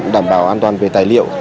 đảm bảo an toàn về tài liệu